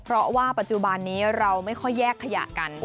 เพราะว่าปัจจุบันนี้เราไม่ค่อยแยกขยะกัน